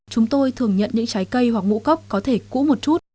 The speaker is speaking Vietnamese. chúng tôi thường nhận những trái cây hoặc ngũ cốc có thể cũ một chút